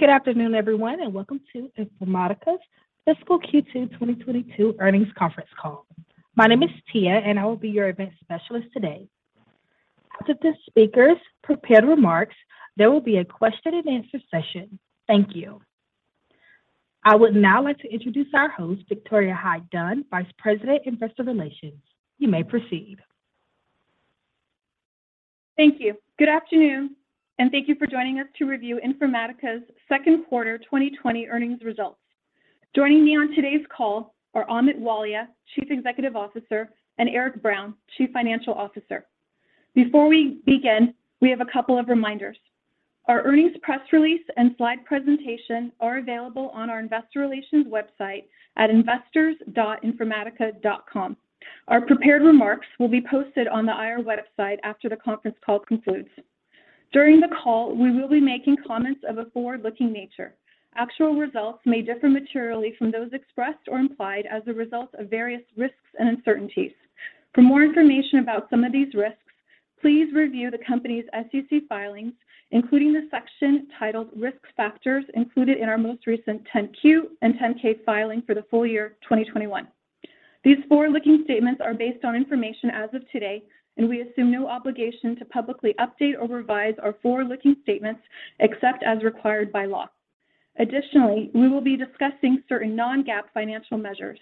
Good afternoon, everyone, and welcome to Informatica's Fiscal Second Quarter 2022 Earnings Conference Call. My name is Tia, and I will be your event specialist today. After the speakers' prepared remarks, there will be a question-and-answer session. Thank you. I would now like to introduce our host, Victoria Hyde-Dunn, Vice President, Investor Relations. You may proceed. Thank you. Good afternoon, and thank you for joining us to review Informatica's second quarter 2020 earnings results. Joining me on today's call are Amit Walia, Chief Executive Officer, and Eric Brown, Chief Financial Officer. Before we begin, we have a couple of reminders. Our earnings press release and slide presentation are available on our investor relations website at investors.informatica.com. Our prepared remarks will be posted on the IR website after the conference call concludes. During the call, we will be making comments of a forward-looking nature. Actual results may differ materially from those expressed or implied as a result of various risks and uncertainties. For more information about some of these risks, please review the company's SEC filings, including the section titled Risk Factors included in our most recent 10-Q and 10-K filing for the full year 2021. These forward-looking statements are based on information as of today, and we assume no obligation to publicly update or revise our forward-looking statements except as required by law. Additionally, we will be discussing certain non-GAAP financial measures.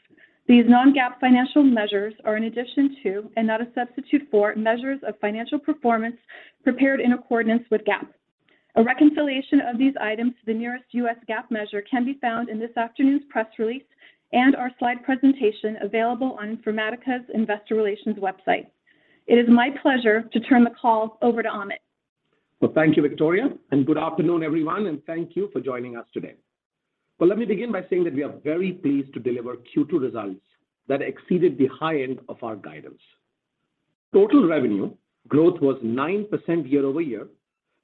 These non-GAAP financial measures are in addition to and not a substitute for measures of financial performance prepared in accordance with GAAP. A reconciliation of these items to the nearest US GAAP measure can be found in this afternoon's press release and our slide presentation available on Informatica's investor relations website. It is my pleasure to turn the call over to Amit. Well, thank you, Victoria, and good afternoon, everyone, and thank you for joining us today. Well, let me begin by saying that we are very pleased to deliver second quarter results that exceeded the high end of our guidance. Total revenue growth was 9% year-over-year,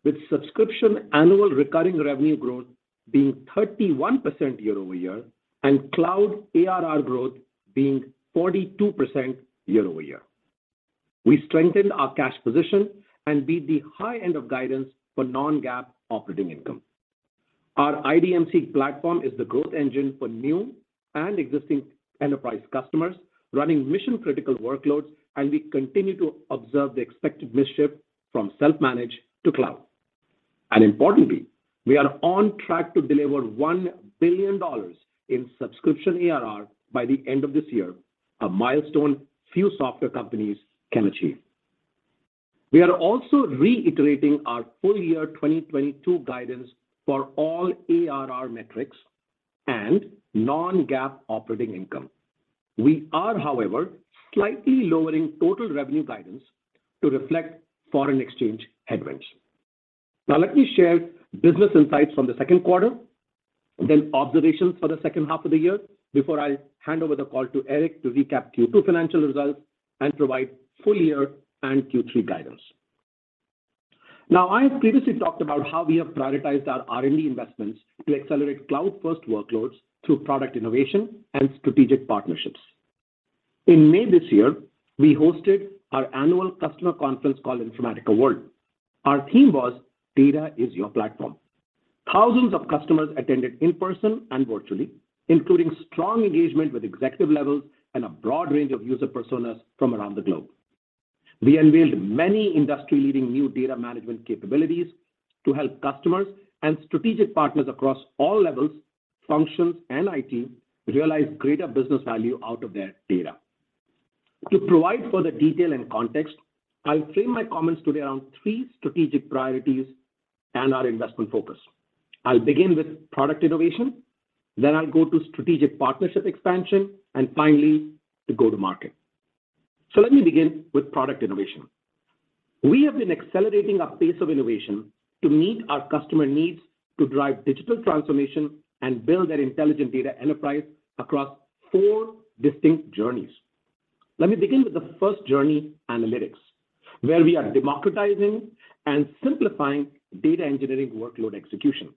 with subscription annual recurring revenue growth being 31% year-over-year and cloud ARR growth being 42% year-over-year. We strengthened our cash position and beat the high end of guidance for non-GAAP operating income. Our IDMC platform is the growth engine for new and existing enterprise customers running mission-critical workloads, and we continue to observe the expected mix shift from self-managed to cloud. Importantly, we are on track to deliver $1 billion in subscription ARR by the end of this year, a milestone few software companies can achieve. We are also reiterating our full year 2022 guidance for all ARR metrics and non-GAAP operating income. We are, however, slightly lowering total revenue guidance to reflect foreign exchange headwinds. Now, let me share business insights from the second quarter, then observations for the second half of the year before I hand over the call to Eric to recap second quarter financial results and provide full year and third quarter guidance. Now, I have previously talked about how we have prioritized our R&D investments to accelerate cloud-first workloads through product innovation and strategic partnerships. In May this year, we hosted our annual customer conference called Informatica World. Our theme was Data is Your Platform. Thousands of customers attended in person and virtually, including strong engagement with executive levels and a broad range of user personas from around the globe. We unveiled many industry-leading new data management capabilities to help customers and strategic partners across all levels, functions, and IT realize greater business value out of their data. To provide further detail and context, I'll frame my comments today around three strategic priorities and our investment focus. I'll begin with product innovation, then I'll go to strategic partnership expansion, and finally, to go-to-market. Let me begin with product innovation. We have been accelerating our pace of innovation to meet our customer needs to drive digital transformation and build their intelligent data enterprise across four distinct journeys. Let me begin with the first journey, analytics, where we are democratizing and simplifying data engineering workload execution.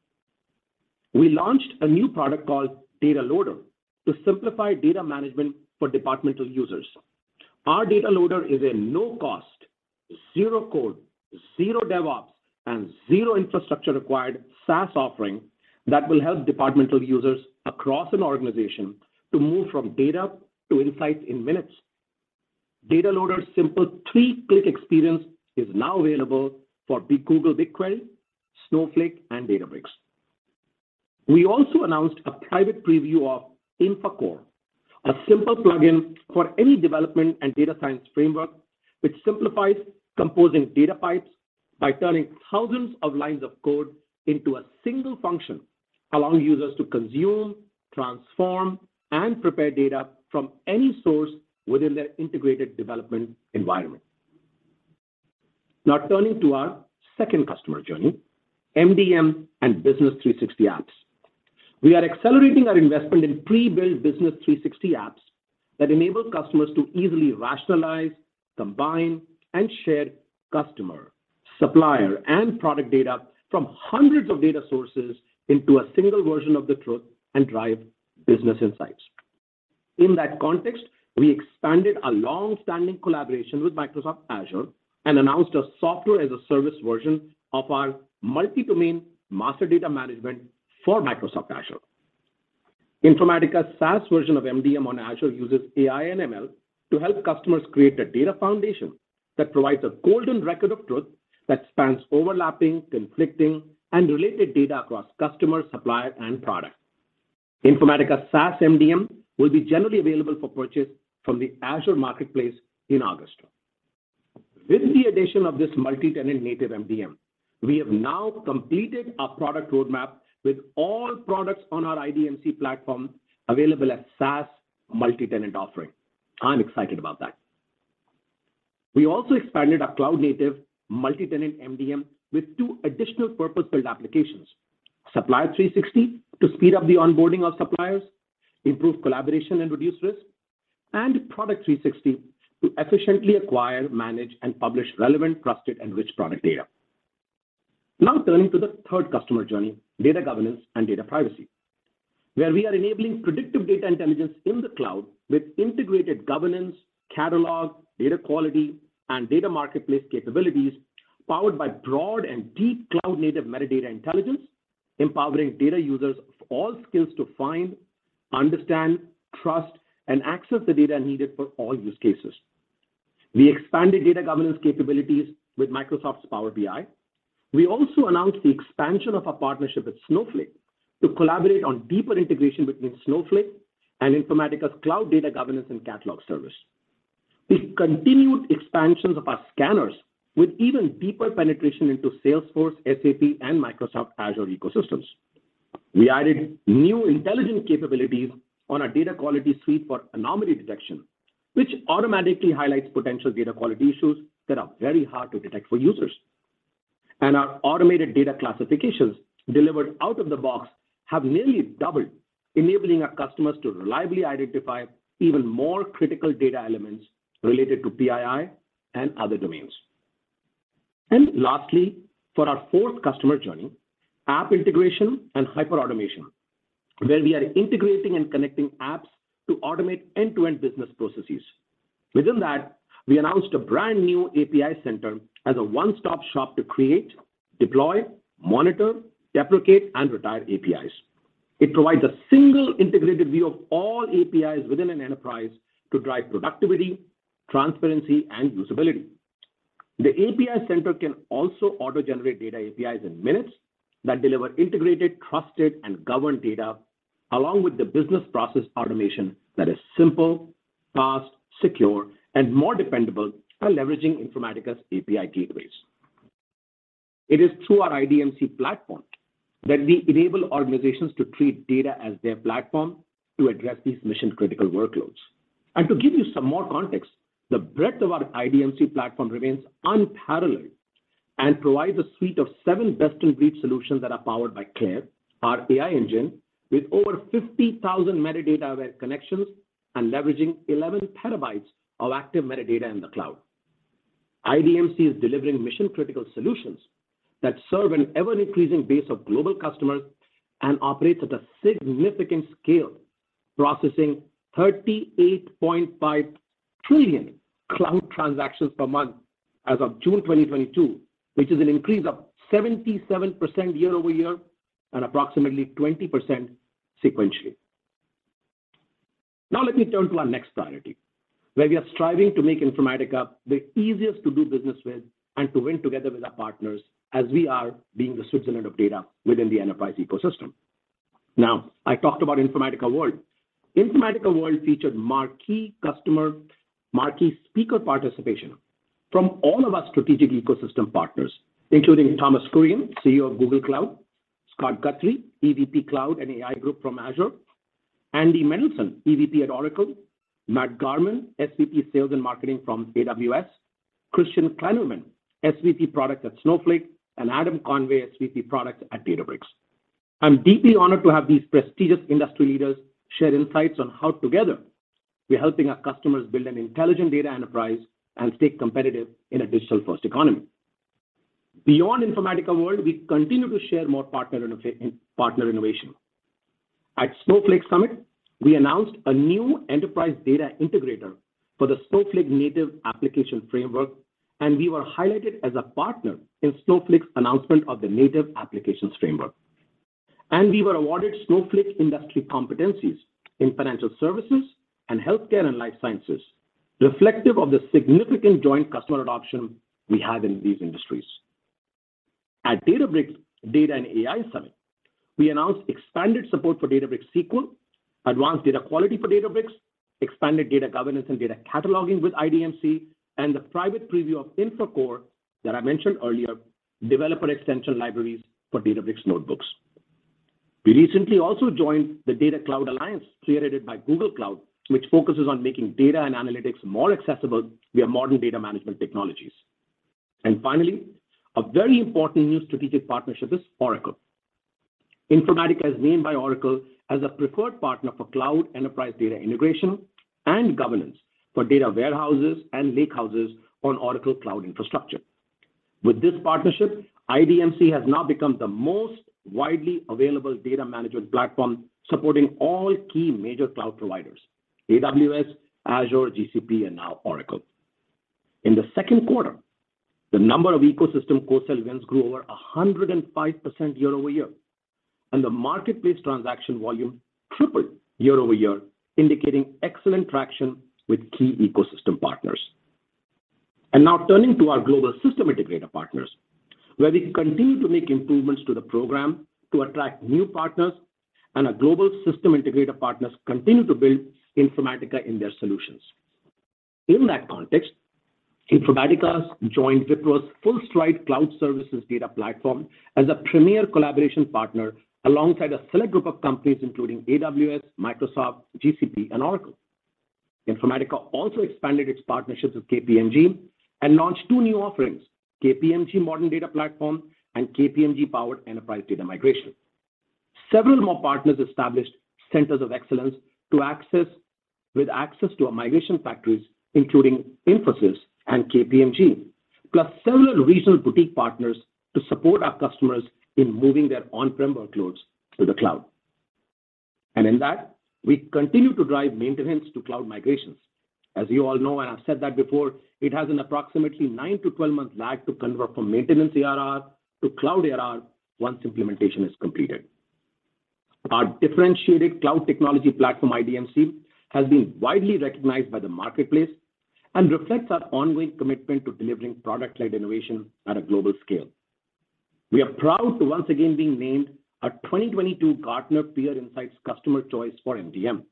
We launched a new product called Data Loader to simplify data management for departmental users. Our Data Loader is a no-cost, zero code, zero DevOps, and zero infrastructure required SaaS offering that will help departmental users across an organization to move from data to insights in minutes. Data Loader's simple three-click experience is now available for Google BigQuery, Snowflake, and Databricks. We also announced a private preview of INFACore, a simple plugin for any development and data science framework which simplifies composing data pipes by turning thousands of lines of code into a single function, allowing users to consume, transform, and prepare data from any source within their integrated development environment. Now turning to our second customer journey, MDM and Business 360 apps. We are accelerating our investment in pre-built Business 360 apps that enable customers to easily rationalize, combine, and share customer, supplier, and product data from hundreds of data sources into a single version of the truth and drive business insights. In that context, we expanded a long-standing collaboration with Microsoft Azure and announced a software-as-a-service version of our multi-domain master data management for Microsoft Azure. Informatica's SaaS version of MDM on Azure uses AI and ML to help customers create a data foundation that provides a golden record of truth that spans overlapping, conflicting, and related data across customers, suppliers, and products. Informatica SaaS MDM will be generally available for purchase from the Azure Marketplace in August. With the addition of this multi-tenant native MDM, we have now completed our product roadmap with all products on our IDMC platform available as SaaS multi-tenant offering. I'm excited about that. We also expanded our cloud-native multi-tenant MDM with two additional purpose-built applications. Supplier 360 to speed up the onboarding of suppliers, improve collaboration, and reduce risk, and Product 360 to efficiently acquire, manage, and publish relevant, trusted, and rich product data. Now turning to the third customer journey, data governance and data privacy, where we are enabling predictive data intelligence in the cloud with integrated governance, catalog, data quality, and data marketplace capabilities powered by broad and deep cloud-native metadata intelligence, empowering data users of all skills to find, understand, trust, and access the data needed for all use cases. We expanded data governance capabilities with Microsoft's Power BI. We also announced the expansion of our partnership with Snowflake to collaborate on deeper integration between Snowflake and Informatica's cloud data governance and catalog service. We continued expansions of our scanners with even deeper penetration into Salesforce, SAP, and Microsoft Azure ecosystems. We added new intelligent capabilities on our data quality suite for anomaly detection, which automatically highlights potential data quality issues that are very hard to detect for users. Our automated data classifications delivered out of the box have nearly doubled, enabling our customers to reliably identify even more critical data elements related to PII and other domains. Lastly, for our fourth customer journey, app integration and hyperautomation, where we are integrating and connecting apps to automate end-to-end business processes. Within that, we announced a brand-new API Center as a one-stop shop to create, deploy, monitor, deprecate, and retire APIs. It provides a single integrated view of all APIs within an enterprise to drive productivity, transparency, and usability. The API Center can also auto-generate data APIs in minutes that deliver integrated, trusted, and governed data along with the business process automation that is simple, fast, secure, and more dependable by leveraging Informatica's API gateways. It is through our IDMC platform that we enable organizations to treat data as their platform to address these mission-critical workloads. To give you some more context, the breadth of our IDMC platform remains unparalleled and provides a suite of seven best-in-breed solutions that are powered by CLAIRE, our AI engine, with over 50,000 metadata web connections and leveraging 11 petabytes of active metadata in the cloud. IDMC is delivering mission-critical solutions that serve an ever-increasing base of global customers and operates at a significant scale, processing 38.5 trillion cloud transactions per month as of June 2022, which is an increase of 77% year-over-year and approximately 20% sequentially. Now let me turn to our next priority, where we are striving to make Informatica the easiest to do business with and to win together with our partners as we are being the Switzerland of data within the enterprise ecosystem. Now, I talked about Informatica World. Informatica World featured marquee customer, marquee speaker participation from all of our strategic ecosystem partners, including Thomas Kurian, CEO of Google Cloud, Scott Guthrie, EVP Cloud and AI Group from Azure, Andy Mendelsohn, EVP at Oracle, Matt Garman, SVP Sales and Marketing from AWS, Christian Kleinerman, SVP Product at Snowflake, and Adam Conway, SVP Product at Databricks. I'm deeply honored to have these prestigious industry leaders share insights on how together we're helping our customers build an intelligent data enterprise and stay competitive in a digital-first economy. Beyond Informatica World, we continue to share more partner innovation. At Snowflake Summit, we announced a new enterprise data integrator for the Snowflake Native Application Framework, and we were highlighted as a partner in Snowflake's announcement of the Native Applications Framework. We were awarded Snowflake industry competencies in financial services and healthcare and life sciences, reflective of the significant joint customer adoption we have in these industries. At Databricks Data + AI Summit, we announced expanded support for Databricks SQL, advanced data quality for Databricks, expanded data governance and data cataloging with IDMC, and the private preview of INFACore that I mentioned earlier, developer extension libraries for Databricks notebooks. We recently also joined the Data Cloud Alliance created by Google Cloud, which focuses on making data and analytics more accessible via modern data management technologies. Finally, a very important new strategic partnership is Oracle. Informatica is named by Oracle as a preferred partner for cloud enterprise data integration and governance for data warehouses and lakehouses on Oracle Cloud Infrastructure. With this partnership, IDMC has now become the most widely available data management platform supporting all key major cloud providers: AWS, Azure, GCP, and now Oracle. In the second quarter, the number of ecosystem co-sell wins grew over 105% year-over-year, and the marketplace transaction volume tripled year-over-year, indicating excellent traction with key ecosystem partners. Now turning to our global system integrator partners, where we continue to make improvements to the program to attract new partners and our global system integrator partners continue to build Informatica in their solutions. In that context, Informatica's joined Wipro's FullStride cloud services data platform as a premier collaboration partner alongside a select group of companies including AWS, Microsoft, GCP, and Oracle. Informatica also expanded its partnerships with KPMG and launched two new offerings, KPMG Modern Data Platform and KPMG Powered Enterprise Data Migration. Several more partners established centers of excellence with access to our migration factories, including Infosys and KPMG, plus several regional boutique partners to support our customers in moving their on-prem workloads to the cloud. In that, we continue to drive maintenance to cloud migrations. As you all know, and I've said that before, it has an approximately nine to 12-month lag to convert from maintenance ARR to cloud ARR once implementation is completed. Our differentiated cloud technology platform, IDMC, has been widely recognized by the marketplace and reflects our ongoing commitment to delivering product-led innovation at a global scale. We are proud to once again being named a 2022 Gartner Peer Insights customer choice for MDM.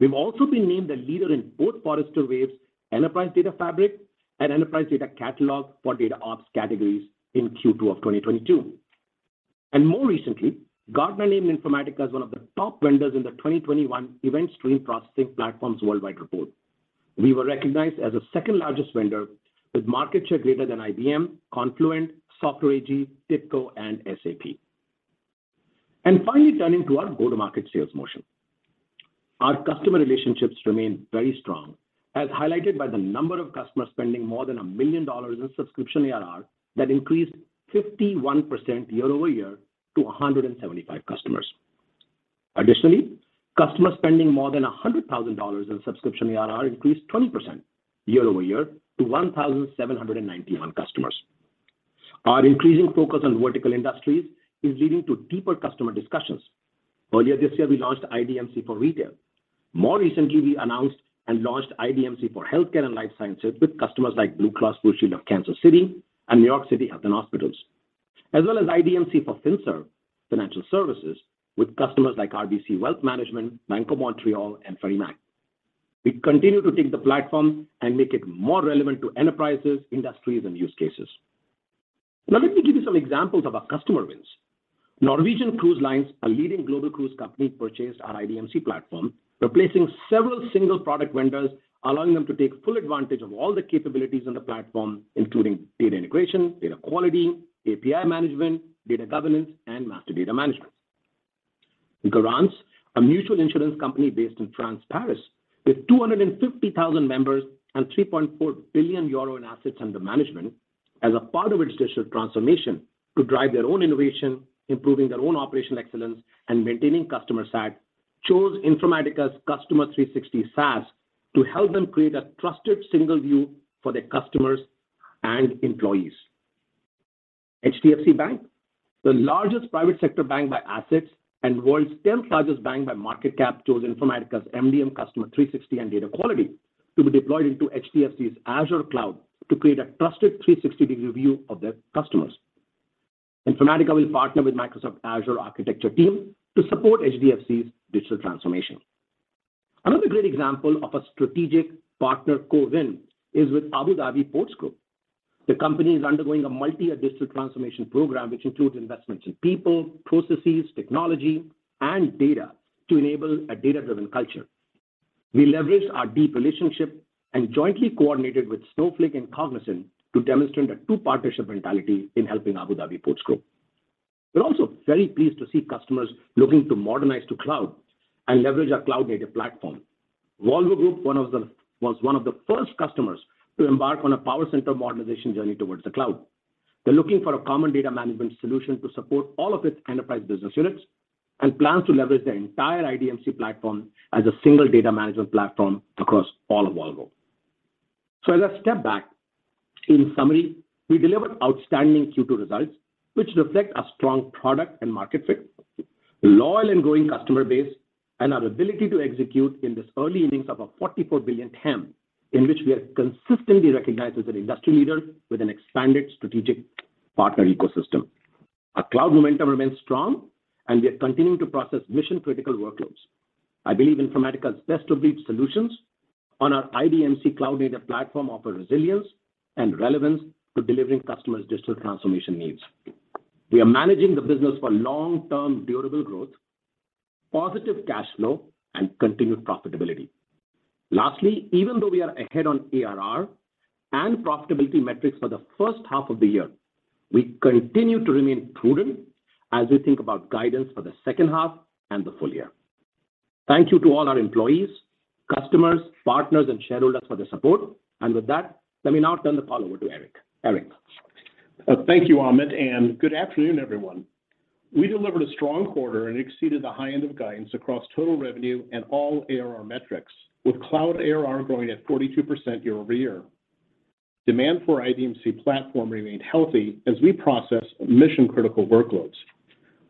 We've also been named a leader in both Forrester Wave's enterprise data fabric and enterprise data catalog for DataOps categories in second quarter of 2022. More recently, Gartner named Informatica as one of the top vendors in the 2021 Event Stream Processing Platforms Worldwide report. We were recognized as the second-largest vendor with market share greater than IBM, Confluent, Software AG, TIBCO, and SAP. Finally, turning to our go-to-market sales motion. Our customer relationships remain very strong, as highlighted by the number of customers spending more than $1 million in subscription ARR that increased 51% year-over-year to 175 customers. Additionally, customers spending more than $100,000 in subscription ARR increased 20% year-over-year to 1,791 customers. Our increasing focus on vertical industries is leading to deeper customer discussions. Earlier this year, we launched IDMC for retail. More recently, we announced and launched IDMC for healthcare and life sciences with customers like Blue Cross Blue Shield of Kansas City and NYC Health + Hospitals. As well as IDMC for FinServ, financial services, with customers like RBC Wealth Management, Bank of Montreal, and Fidelity. We continue to take the platform and make it more relevant to enterprises, industries, and use cases. Now, let me give you some examples of our customer wins. Norwegian Cruise Line, a leading global cruise company, purchased our IDMC platform, replacing several single product vendors, allowing them to take full advantage of all the capabilities on the platform, including data integration, data quality, API management, data governance, and master data management. Garance, a mutual insurance company based in France, Paris, with 250,000 members and 3.4 billion euro in assets under management, as a part of its digital transformation to drive their own innovation, improving their own operational excellence, and maintaining customer sat, chose Informatica's Customer 360 SaaS to help them create a trusted single view for their customers and employees. HDFC Bank, the largest private sector bank by assets and world's tenth-largest bank by market cap, chose Informatica's MDM Customer 360 and Data Quality to be deployed into HDFC's Azure cloud to create a trusted 360-degree view of their customers. Informatica will partner with Microsoft Azure architecture team to support HDFC's digital transformation. Another great example of a strategic partner co-win is with AD Ports Group. The company is undergoing a multi-year digital transformation program, which includes investments in people, processes, technology, and data to enable a data-driven culture. We leveraged our deep relationship and jointly coordinated with Snowflake and Cognizant to demonstrate a two-partnership mentality in helping AD Ports Group. We're also very pleased to see customers looking to modernize to cloud and leverage our cloud-native platform. Volvo Group, one of the first customers to embark on a PowerCenter modernization journey towards the cloud. They're looking for a common data management solution to support all of its enterprise business units and plans to leverage their entire IDMC platform as a single data management platform across all of Volvo. As I step back, in summary, we delivered outstanding second quarter results, which reflect a strong product and market fit, loyal and growing customer base, and our ability to execute in this early innings of a 44 billion TAM, in which we are consistently recognized as an industry leader with an expanded strategic partner ecosystem. Our cloud momentum remains strong, and we are continuing to process mission-critical workloads. I believe Informatica's best-of-breed solutions on our IDMC cloud-native platform offer resilience and relevance to delivering customers' digital transformation needs. We are managing the business for long-term durable growth, positive cash flow, and continued profitability. Lastly, even though we are ahead on ARR and profitability metrics for the first half of the year, we continue to remain prudent as we think about guidance for the second half and the full year. Thank you to all our employees, customers, partners, and shareholders for their support. With that, let me now turn the call over to Eric. Eric? Thank you, Amit, and good afternoon, everyone. We delivered a strong quarter and exceeded the high end of guidance across total revenue and all ARR metrics, with cloud ARR growing at 42% year-over-year. Demand for IDMC platform remained healthy as we process mission-critical workloads.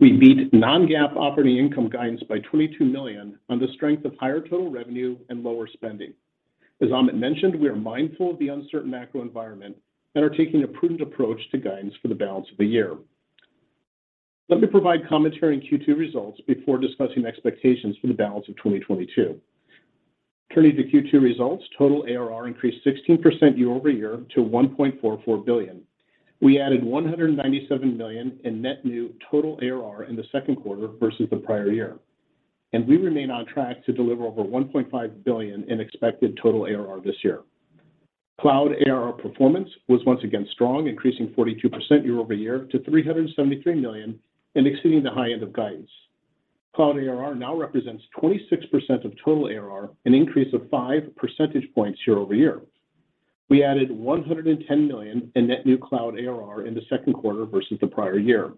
We beat non-GAAP operating income guidance by $22 million on the strength of higher total revenue and lower spending. As Amit mentioned, we are mindful of the uncertain macro environment and are taking a prudent approach to guidance for the balance of the year. Let me provide commentary on second quarter results before discussing expectations for the balance of 2022. Turning to second quarter results, total ARR increased 16% year-over-year to $1.44 billion. We added $197 million in net new total ARR in the second quarter versus the prior year, and we remain on track to deliver over $1.5 billion in expected total ARR this year. Cloud ARR performance was once again strong, increasing 42% year-over-year to $373 million and exceeding the high end of guidance. Cloud ARR now represents 26% of total ARR, an increase of five-percentage-points year-over-year. We added $110 million in net new cloud ARR in the second quarter versus the prior year.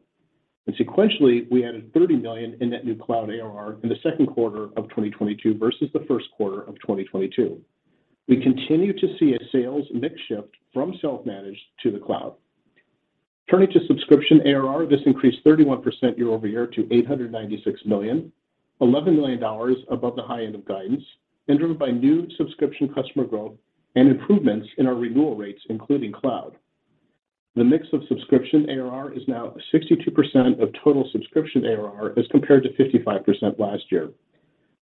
Sequentially, we added $30 million in net new cloud ARR in the second quarter of 2022 versus the first quarter of 2022. We continue to see a sales mix shift from self-managed to the cloud. Turning to subscription ARR, this increased 31% year over year to $896 million, $11 million above the high end of guidance and driven by new subscription customer growth and improvements in our renewal rates, including cloud. The mix of subscription ARR is now 62% of total subscription ARR as compared to 55% last year.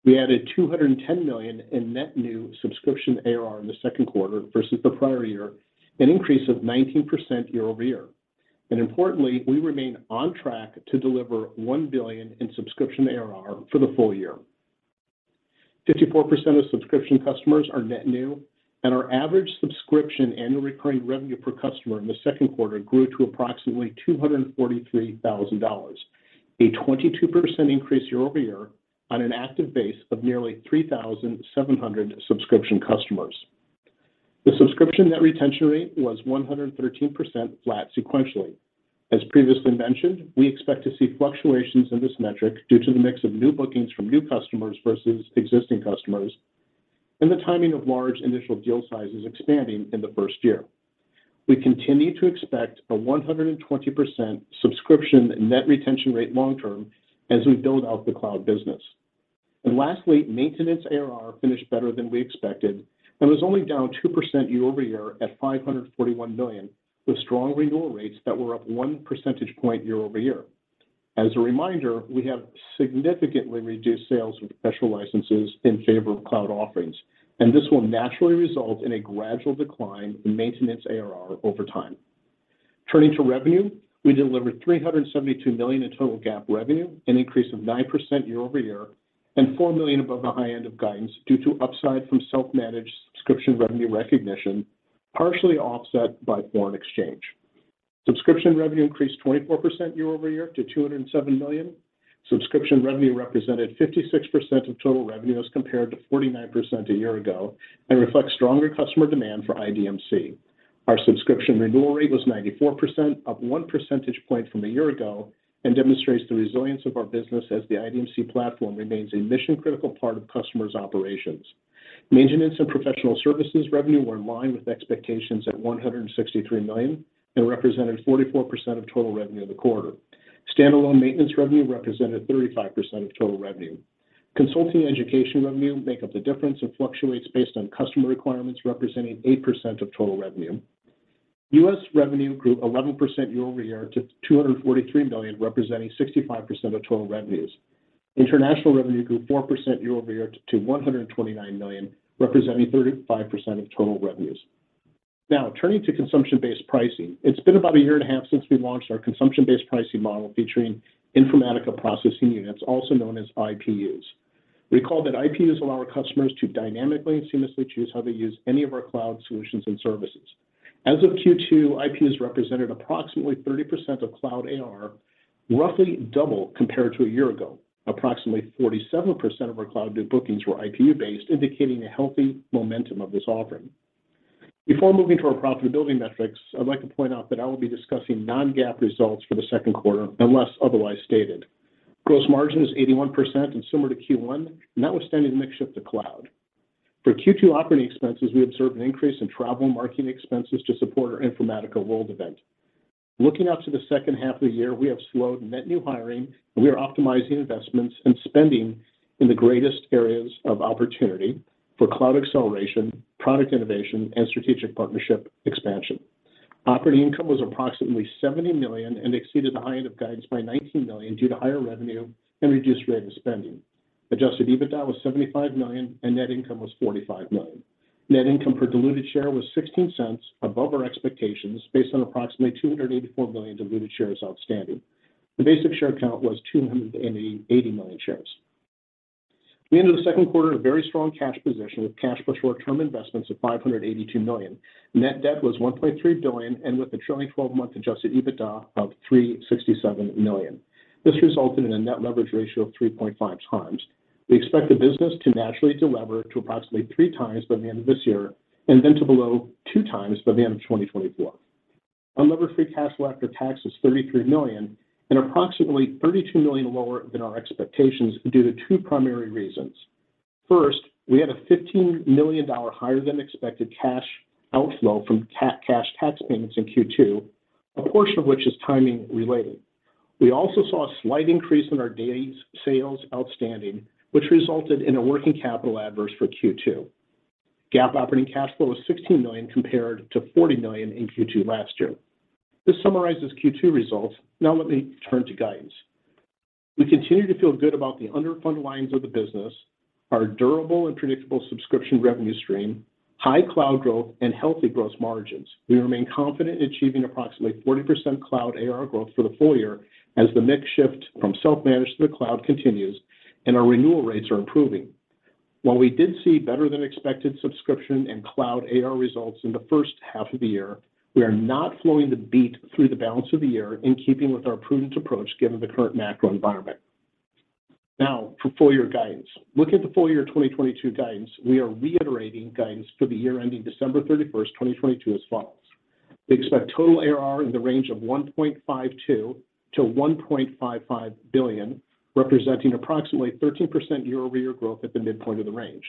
We added $210 million in net new subscription ARR in the second quarter versus the prior year, an increase of 19% year over year. Importantly, we remain on track to deliver $1 billion in subscription ARR for the full year. 54% of subscription customers are net new, and our average subscription annual recurring revenue per customer in the second quarter grew to approximately $243,000, a 22% increase year-over-year on an active base of nearly 3,700 subscription customers. The subscription net retention rate was 113% flat sequentially. As previously mentioned, we expect to see fluctuations in this metric due to the mix of new bookings from new customers versus existing customers and the timing of large initial deal sizes expanding in the first year. We continue to expect a 120% subscription net retention rate long term as we build out the cloud business. Lastly, maintenance ARR finished better than we expected and was only down 2% year-over-year at $541 million, with strong renewal rates that were up one percentage point year-over-year. As a reminder, we have significantly reduced sales of professional licenses in favor of cloud offerings, and this will naturally result in a gradual decline in maintenance ARR over time. Turning to revenue, we delivered $372 million in total GAAP revenue, an increase of 9% year-over-year and $4 million above the high end of guidance due to upside from self-managed subscription revenue recognition, partially offset by foreign exchange. Subscription revenue increased 24% year-over-year to $207 million. Subscription revenue represented 56% of total revenue as compared to 49% a year ago and reflects stronger customer demand for IDMC. Our subscription renewal rate was 94%, up one-percentage-point from a year ago and demonstrates the resilience of our business as the IDMC platform remains a mission-critical part of customers' operations. Maintenance and professional services revenue were in line with expectations at $163 million and represented 44% of total revenue in the quarter. Standalone maintenance revenue represented 35% of total revenue. Consulting education revenue make up the difference and fluctuates based on customer requirements, representing 8% of total revenue. US revenue grew 11% year-over-year to $243 million, representing 65% of total revenues. International revenue grew 4% year-over-year to $129 million, representing 35% of total revenues. Now, turning to consumption-based pricing. It's been about a year and a half since we launched our consumption-based pricing model featuring Informatica Processing Units, also known as IPUs. Recall that IPUs allow our customers to dynamically and seamlessly choose how they use any of our cloud solutions and services. As of second quarter, IPUs represented approximately 30% of cloud ARR, roughly double compared to a year ago. Approximately 47% of our cloud new bookings were IPU-based, indicating a healthy momentum of this offering. Before moving to our profitability metrics, I'd like to point out that I will be discussing non-GAAP results for the second quarter, unless otherwise stated. Gross margin is 81% and similar to first quarter, notwithstanding the mix shift to cloud. For second quarter operating expenses, we observed an increase in travel and marketing expenses to support our Informatica World event. Looking out to the second half of the year, we have slowed net new hiring, and we are optimizing investments and spending in the greatest areas of opportunity for cloud acceleration, product innovation, and strategic partnership expansion. Operating income was approximately $70 million and exceeded the high end of guidance by $19 million due to higher revenue and reduced rate of spending. Adjusted EBITDA was $75 million, and net income was $45 million. Net income per diluted share was $0.16 above our expectations based on approximately 284 million diluted shares outstanding. The basic share count was 280 million shares. We ended the second quarter in a very strong cash position, with cash plus short-term investments of $582 million. Net debt was $1.3 billion, and with a trailing twelve-month adjusted EBITDA of $367 million. This resulted in a net leverage ratio of 3.5x. We expect the business to naturally delever to approximately 3x by the end of this year, and then to below 2x by the end of 2024. Our levered free cash flow after tax is $33 million, and approximately $32 million lower than our expectations due to two primary reasons. First, we had a $15 million higher than expected cash outflow from cash tax payments in second quarter, a portion of which is timing related. We also saw a slight increase in our days sales outstanding, which resulted in a working capital adverse for second quarter. GAAP operating cash flow was $16 million compared to $40 million in second quarter last year. This summarizes second quarter results. Now let me turn to guidance. We continue to feel good about the under-funded lines of the business, our durable and predictable subscription revenue stream, high cloud growth, and healthy gross margins. We remain confident in achieving approximately 40% cloud ARR growth for the full year as the mix shift from self-managed to the cloud continues and our renewal rates are improving. While we did see better than expected subscription and cloud ARR results in the first half of the year, we are not slowing the beat through the balance of the year in keeping with our prudent approach given the current macro environment. Now for full year guidance. Looking at the full year 2022 guidance, we are reiterating guidance for the year ending 31 December 2022 as follows. We expect total ARR in the range of $1.52 to 1.55 billion, representing approximately 13% year-over-year growth at the midpoint of the range.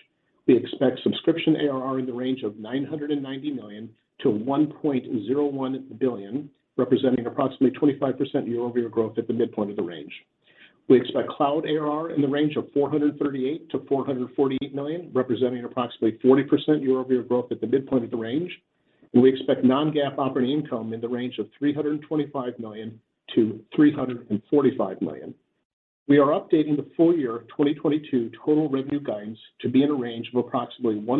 We expect subscription ARR in the range of $990 to 1.01 billion, representing approximately 25% year-over-year growth at the midpoint of the range. We expect cloud ARR in the range of $438 to 448 million, representing approximately 40% year-over-year growth at the midpoint of the range. We expect non-GAAP operating income in the range of $325 to 345 million. We are updating the full year of 2022 total revenue guidance to be in a range of approximately $1.54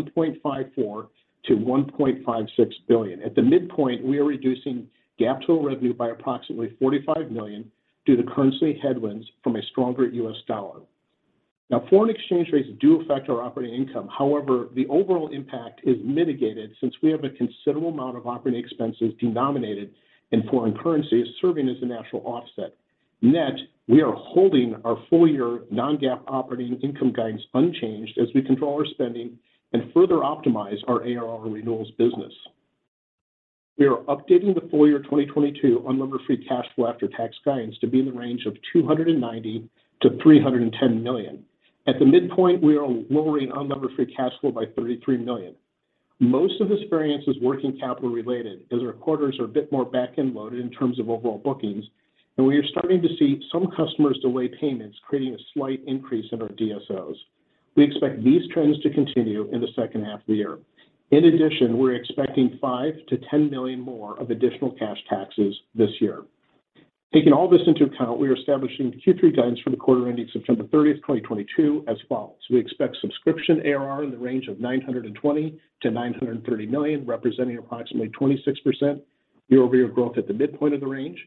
to 1.56 billion. At the midpoint, we are reducing GAAP total revenue by approximately $45 million due to currency headwinds from a stronger US dollar. Now foreign exchange rates do affect our operating income. However, the overall impact is mitigated since we have a considerable amount of operating expenses denominated in foreign currencies serving as a natural offset. Net, we are holding our full year non-GAAP operating income guidance unchanged as we control our spending and further optimize our ARR and renewals business. We are updating the full year 2022 unlevered free cash flow after tax guidance to be in the range of $290 to 310 million. At the midpoint, we are lowering unlevered free cash flow by $33 million. Most of this variance is working capital related, as our quarters are a bit more back-end loaded in terms of overall bookings, and we are starting to see some customers delay payments, creating a slight increase in our DSO. We expect these trends to continue in the second half of the year. In addition, we're expecting $5 to 10 million more of additional cash taxes this year. Taking all this into account, we are establishing third quarter guidance for the quarter ending 30 September 2022 as follows. We expect subscription ARR in the range of $920 to 930 million, representing approximately 26% year-over-year growth at the midpoint of the range.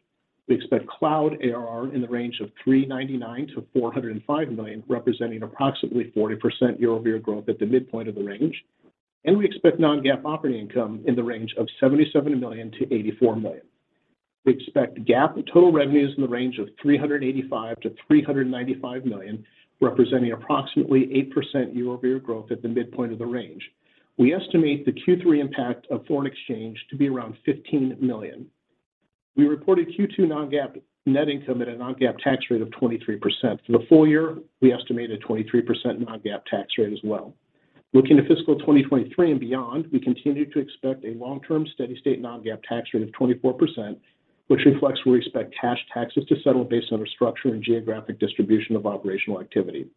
We expect cloud ARR in the range of $399 to 405 million, representing approximately 40% year-over-year growth at the midpoint of the range. We expect non-GAAP operating income in the range of $77 to 84 million. We expect GAAP total revenues in the range of $385 to 395 million, representing approximately 8% year-over-year growth at the midpoint of the range. We estimate the third quarter impact of foreign exchange to be around $15 million. We reported second quarter non-GAAP net income at a non-GAAP tax rate of 23%. For the full year, we estimate a 23% non-GAAP tax rate as well. Looking to fiscal 2023 and beyond, we continue to expect a long-term steady-state non-GAAP tax rate of 24%, which reflects we expect cash taxes to settle based on our structure and geographic distribution of operational activity.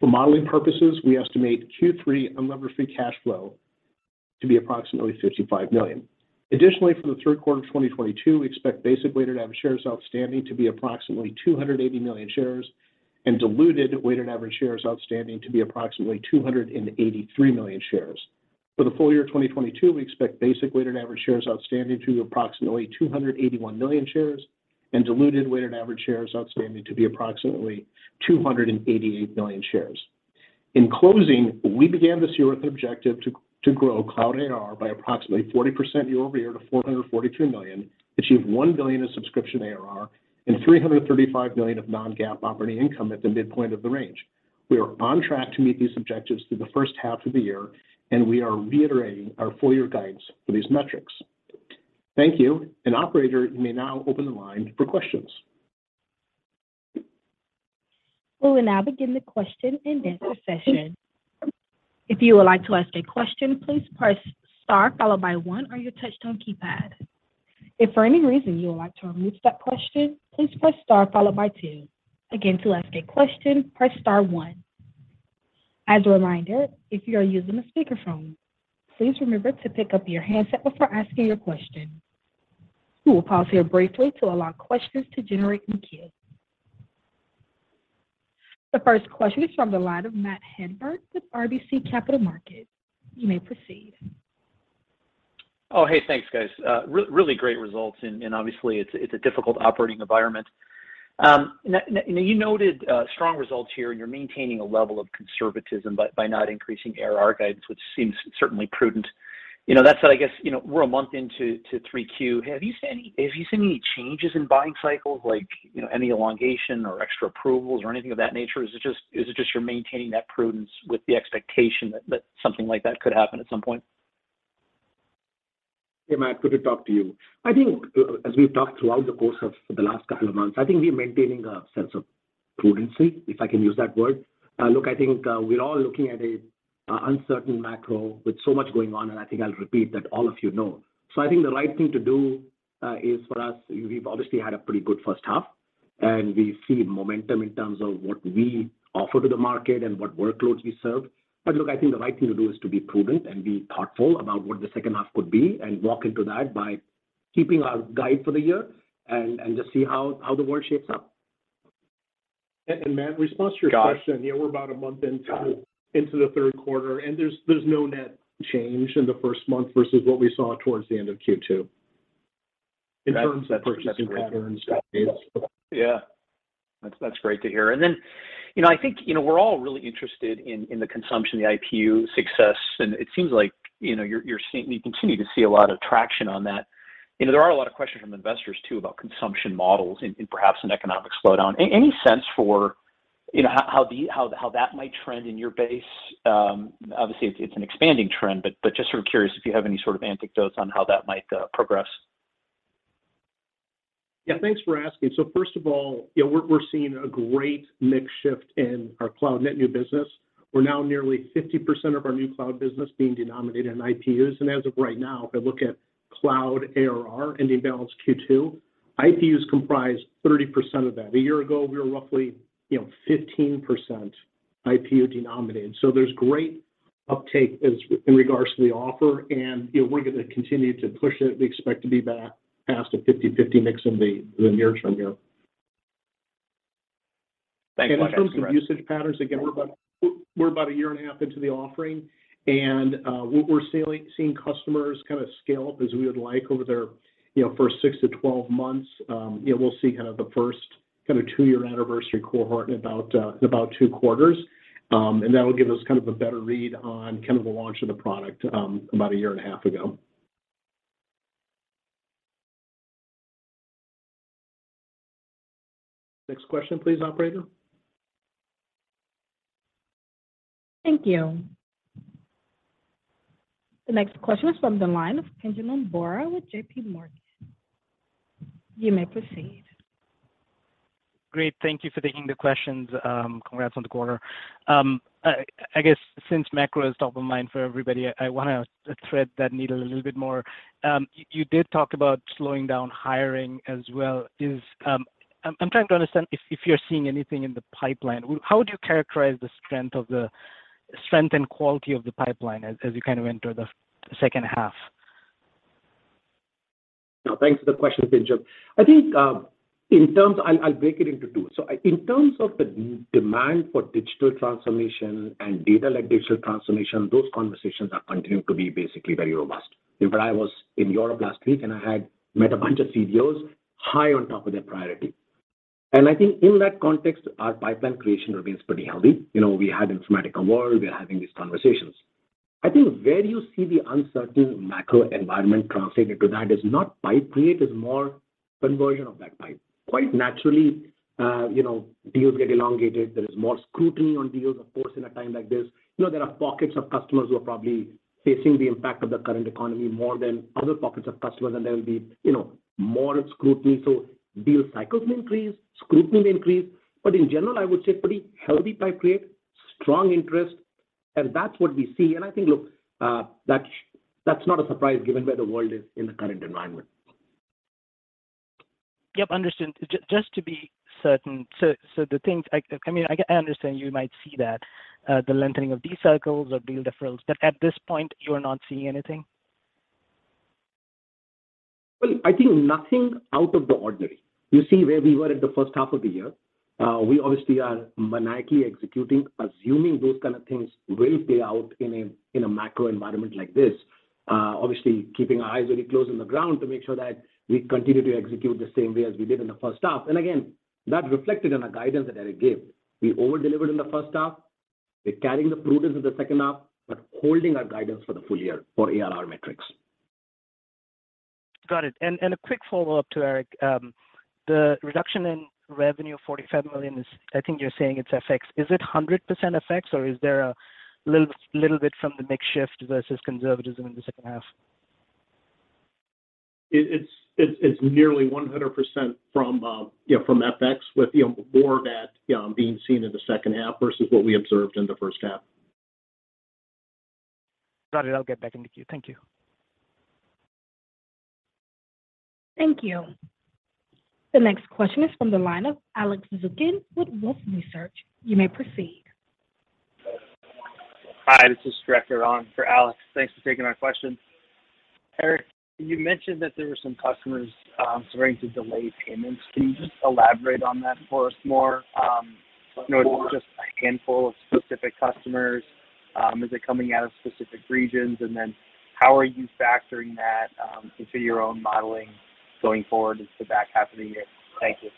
For modeling purposes, we estimate third quarter unlevered free cash flow to be approximately $55 million. Additionally, for the third quarter of 2022, we expect basic weighted average shares outstanding to be approximately 280 million shares and diluted weighted average shares outstanding to be approximately 283 million shares. For the full year 2022, we expect basic weighted average shares outstanding to be approximately 281 million shares and diluted weighted average shares outstanding to be approximately 288 million shares. In closing, we began this year with the objective to grow cloud ARR by approximately 40% year-over-year to $442 million, achieve $1 billion in subscription ARR, and $335 million of non-GAAP operating income at the midpoint of the range. We are on track to meet these objectives through the first half of the year and we are reiterating our full year guidance for these metrics. Thank you. Operator, you may now open the line for questions. We will now begin the question-and-answer session. If you would like to ask a question, please press star followed by one on your touchtone keypad. If for any reason you would like to remove that question, please press star followed by two. Again, to ask a question, press star one. As a reminder, if you are using a speakerphone, please remember to pick up your handset before asking your question. We will pause here briefly to allow questions to generate in queue. The first question is from the line of Matthew Hedberg with RBC Capital Markets. You may proceed. Oh, hey, thanks, guys. Really great results and obviously it's a difficult operating environment. Now you noted strong results here and you're maintaining a level of conservatism by not increasing ARR guidance, which seems certainly prudent. You know, that said, I guess, you know, we're a month into third quarter. Have you seen any changes in buying cycles like, you know, any elongation or extra approvals or anything of that nature? Is it just you're maintaining that prudence with the expectation that something like that could happen at some point? Hey, Matt. Good to talk to you. I think, as we've talked throughout the course of the last couple of months, I think we're maintaining a sense of prudence, if I can use that word. Look, I think, we're all looking at an uncertain macro with so much going on, and I think I'll repeat that all of you know. I think the right thing to do is for us, we've obviously had a pretty good first half, and we see momentum in terms of what we offer to the market and what workloads we serve. Look, I think the right thing to do is to be prudent and be thoughtful about what the second half could be and walk into that by keeping our guide for the year and just see how the world shapes up. Matt, in response... To your question. Got it. You know, we're about a month into... Got it. Into the third quarter, there's no net change in the first month versus what we saw towards the end of second quarter... In terms of purchasing patterns. That's great. Yeah. That's great to hear. You know, I think, you know, we're all really interested in the consumption, the IPU success, and it seems like, you know, you're seeing, you continue to see a lot of traction on that. You know, there are a lot of questions from investors too about consumption models and perhaps an economic slowdown. Any sense for, you know, how that might trend in your base case? Obviously it's an expanding trend, but just sort of curious if you have any sort of anecdotes on how that might progress. Yeah. Thanks for asking. First of all, you know, we're seeing a great mix shift in our cloud net new business, where now nearly 50% of our new cloud business being denominated in IPUs. As of right now, if I look at cloud ARR, ending balance second quarter, IPUs comprise 30% of that. A year ago, we were roughly, you know, 15% IPU denominated. There's great uptake as in regards to the offer and, you know, we're gonna continue to push it. We expect to be back past a 50/50 mix in the near term here. Thanks so much... In terms of usage patterns, again, we're about a year and a half into the offering and we're seeing customers kind of scale up as we would like over their, you know, first six to 12 months. You know, we'll see kind of the first kind of two-year anniversary cohort in about two quarters. That'll give us kind of a better read on kind of the launch of the product, about a year and a half ago. Next question please, operator. Thank you. The next question is from the line of Pinjalim Bora with JPMorgan. You may proceed. Great. Thank you for taking the questions. Congrats on the quarter. I guess since macro is top of mind for everybody, I want to thread that needle a little bit more. You did talk about slowing down hiring as well. I'm trying to understand if you're seeing anything in the pipeline. How would you characterize the strength and quality of the pipeline as you kind of enter the second half? No, thanks for the question, Pinjalim. I think in terms... I'll break it into two. In terms of the demand for digital transformation and data like digital transformation, those conversations are continuing to be basically very robust. In fact, I was in Europe last week, and I had met a bunch of CEOs high on top of their priority. I think in that context, our pipeline creation remains pretty healthy. You know, we had Informatica World, we are having these conversations. I think where you see the uncertain macro environment translated to that is not pipeline creation, is more conversion of that pipeline. Quite naturally, you know, deals get elongated. There is more scrutiny on deals, of course, in a time like this. You know, there are pockets of customers who are probably facing the impact of the current economy more than other pockets of customers, and there will be, you know, more scrutiny. Deal cycles may increase, scrutiny may increase. In general, I would say pretty healthy pipeline, strong interest, and that's what we see. I think, look, that's not a surprise given where the world is in the current environment. Yep, understood. Just to be certain, I mean, I understand you might see that, the lengthening of these cycles or deal deferrals, but at this point you are not seeing anything? Well, I think nothing out of the ordinary. You see where we were at the first half of the year. We obviously are maniacally executing, assuming those kind of things will play out in a, in a macro environment like this. Obviously keeping our eyes very close on the ground to make sure that we continue to execute the same way as we did in the first half. Again, that reflected in our guidance that Eric gave. We over-delivered in the first half. We're carrying the prudence in the second half, but holding our guidance for the full year for ARR metrics. Got it. A quick follow-up to Eric. The reduction in revenue of $45 million is, I think you're saying it's FX. Is it 100% FX, or is there a little bit from the mix shift versus conservatism in the second half? It's nearly 100% from, you know, from FX with, you know, more of that being seen in the second half versus what we observed in the first half. Got it. I'll get back in the queue. Thank you. Thank you. The next question is from the line of Alex Zukin with Wolfe Research. You may proceed. Hi, this is Trevor on for Alex. Thanks for taking my question. Eric, you mentioned that there were some customers starting to delay payments. Can you just elaborate on that for us more? You know, is it just a handful of specific customers? Is it coming out of specific regions? How are you factoring that into your own modeling going forward into the back half of the year? Thank you.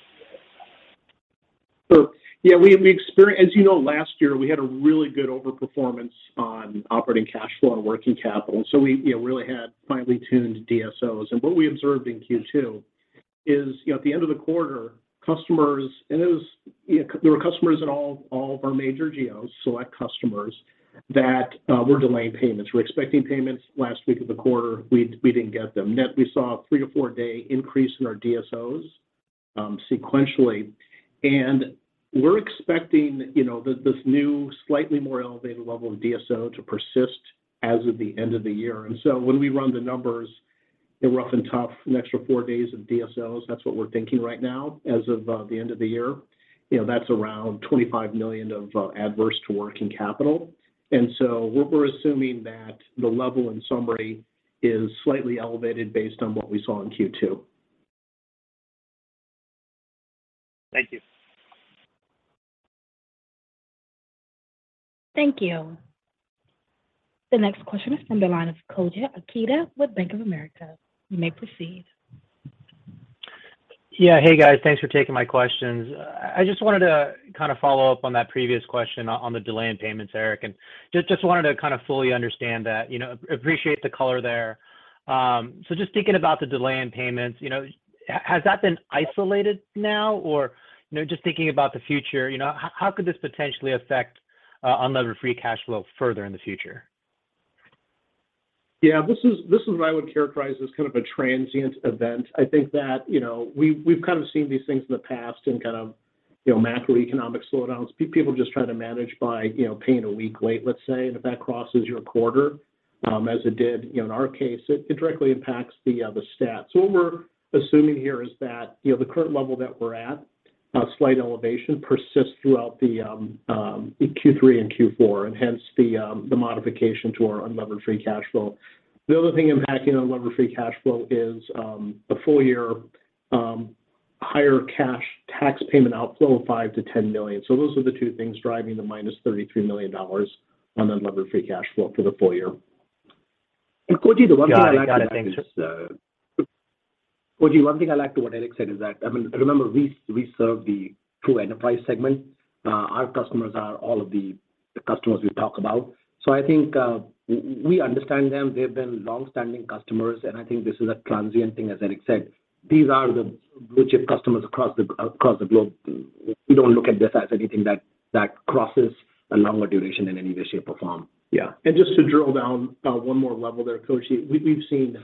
Yeah, we experienced, as you know, last year, we had a really good overperformance on operating cash flow and working capital. We, you know, really had finely tuned DSO. What we observed in second quarter is, you know, at the end of the quarter, customers and those. You know, there were customers in all of our major geos, select customers that were delaying payments. We were expecting payments last week of the quarter, we didn't get them. Net, we saw a three to four-day increase in our DSO sequentially. We're expecting, you know, this new slightly more elevated level of DSO to persist as of the end of the year. When we run the numbers, they're rough and tough, an extra four days of DSO. That's what we're thinking right now as of the end of the year. You know, that's around $25 million of adverse to working capital. We're assuming that the level, in summary, is slightly elevated based on what we saw in second quarter. Thank you. Thank you. The next question is from the line of Koji Ikeda with Bank of America. You may proceed. Yeah. Hey, guys. Thanks for taking my questions. I just wanted to kind of follow up on that previous question on the delay in payments, Eric, and just wanted to kind of fully understand that. You know, appreciate the color there. So just thinking about the delay in payments, you know, has that been isolated now? Or, you know, just thinking about the future, you know, how could this potentially affect unlevered free cash flow further in the future? Yeah. This is what I would characterize as kind of a transient event. I think that, you know, we've kind of seen these things in the past and kind of, you know, macroeconomic slowdowns, people just trying to manage by, you know, paying a week late, let's say. If that crosses your quarter, as it did, you know, in our case, it directly impacts the stats. What we're assuming here is that, you know, the current level that we're at, a slight elevation persists throughout the third quarter and fourth quarter, and hence the modification to our unlevered free cash flow. The other thing impacting unlevered free cash flow is the full year higher cash tax payment outflow of $5 to 10 million. Those are the two things driving the -$33 million unlevered free cash flow for the full year. Koji... The one thing I'd like to mention is, Got it. Thanks. Koji, one thing I'd like to add to what Eric said is that, I mean, remember, we serve the true enterprise segment. Our customers are all of the customers we talk about. I think we understand them. They've been long-standing customers, and I think this is a transient thing, as Eric said. These are the blue chip customers across the globe. We don't look at this as anything that crosses a longer duration in any way, shape, or form. Yeah. Just to drill down, one more level there, Koji, we've seen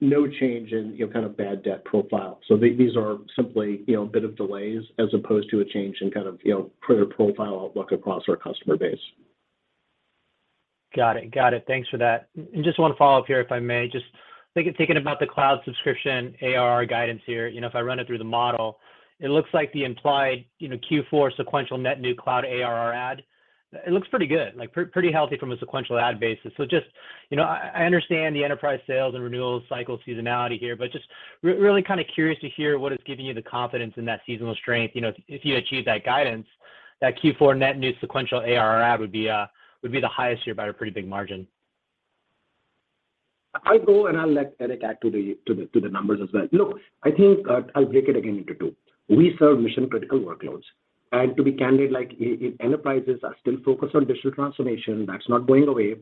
no change in, you know, kind of bad debt profile. These are simply, you know, a bit of delays as opposed to a change in kind of, you know, credit profile outlook across our customer base. Got it. Thanks for that. Just one follow-up here, if I may. Just thinking about the cloud subscription ARR guidance here. You know, if I run it through the model, it looks like the implied, you know, fourth quarter sequential net new cloud ARR add, it looks pretty good, like pretty healthy from a sequential add basis. Just, you know, I understand the enterprise sales and renewal cycle seasonality here, but just really kind of curious to hear what is giving you the confidence in that seasonal strength. You know, if you achieve that guidance, that fourth quarter net new sequential ARR add would be the highest yet by a pretty big margin. I'll go, and I'll let Eric add to the numbers as well. Look, I think, I'll break it again into two. We serve mission-critical workloads. To be candid, like enterprises are still focused on digital transformation. That's not going away.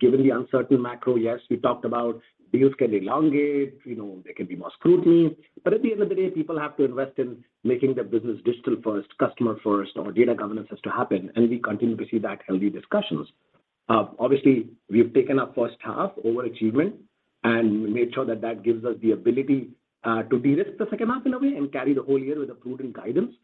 Given the uncertain macro, yes, we talked about deals can elongate. You know, there can be more scrutiny. At the end of the day, people have to invest in making their business digital first, customer first, our data governance has to happen, and we continue to see that healthy discussions. Obviously, we've taken our first half overachievement and made sure that that gives us the ability to de-risk the second half in a way and carry the whole year with improved guidance.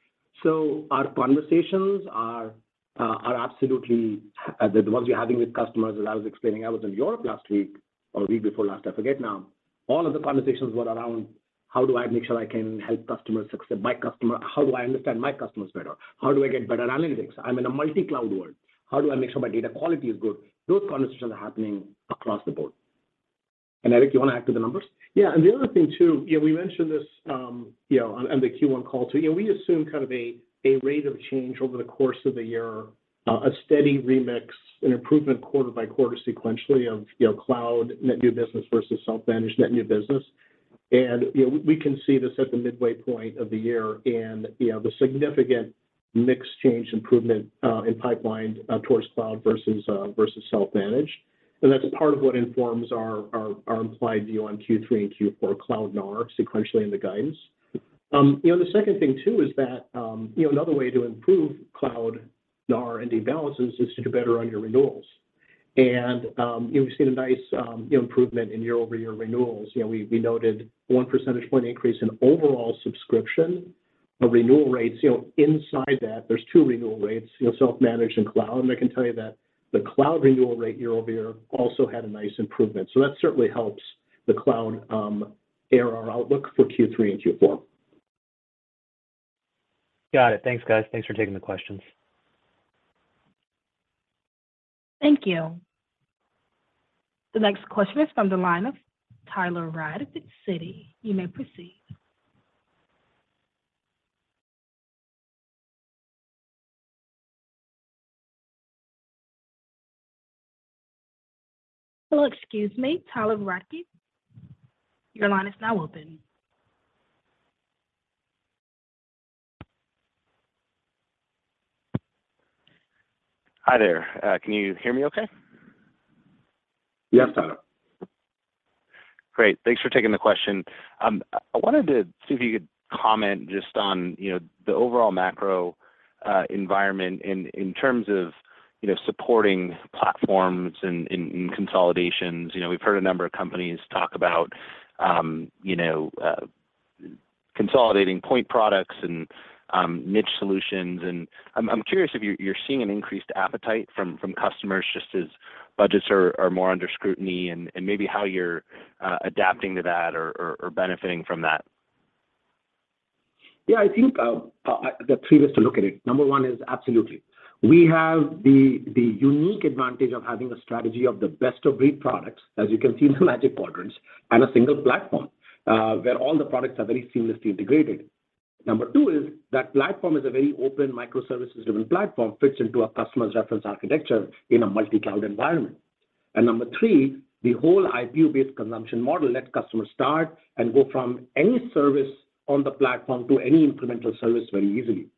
Our conversations are absolutely the ones we're having with customers, as I was explaining. I was in Europe last week or the week before last, I forget now. All of the conversations were around how do I make sure I can help customers succeed, how do I understand my customers better? How do I get better analytics? I'm in a multi-cloud world. How do I make sure my data quality is good? Those conversations are happening across the board. Eric, you want to add to the numbers? Yeah. The other thing too, you know, we mentioned this, you know, on the first quarter call too. You know, we assume kind of a rate of change over the course of the year, a steady remix and improvement quarter by quarter sequentially of, you know, cloud net new business versus self-managed net new business. You know, we can see this at the midway point of the year and, you know, the significant mix change improvement in pipeline towards cloud versus self-managed. That's part of what informs our implied view on third quarter and fourth quarter cloud NAR sequentially in the guidance. You know, the second thing too is that, you know, another way to improve cloud NAR and imbalances is to do better on your renewals. You've seen a nice, you know, improvement in year-over-year renewals. You know, we noted one percentage point increase in overall subscription renewal rates. You know, inside that, there's two renewal rates, you know, self-managed and cloud. I can tell you that the cloud renewal rate year-over-year also had a nice improvement. That certainly helps the cloud ARR outlook for third quarter and fourth quarter. Got it. Thanks, guys. Thanks for taking the questions. Thank you. The next question is from the line of Tyler Radke of Citi. You may proceed. Well, excuse me, Tyler Radke. Your line is now open. Hi there. Can you hear me okay? Yes, Tyler. Great. Thanks for taking the question. I wanted to see if you could comment just on, you know, the overall macro environment in terms of, you know, supporting platforms and consolidations. You know, we've heard a number of companies talk about, you know, consolidating point products and niche solutions. I'm curious if you're seeing an increased appetite from customers just as budgets are more under scrutiny and maybe how you're adapting to that or benefiting from that. Yeah. I think, the three ways to look at it, number one is absolutely. We have the unique advantage of having a strategy of the best-of-breed products, as you can see in the Magic Quadrant, and a single platform, where all the products are very seamlessly integrated. Number two is that platform is a very open microservices-driven platform, fits into a customer's reference architecture in a multi-cloud environment. Number three, the whole IPU-based consumption model lets customers start and go from any service on the platform to any incremental service very easily.